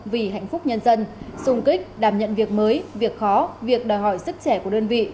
vì hạnh phúc nhân dân xung kích đảm nhận việc mới việc khó việc đòi hỏi sức trẻ của đơn vị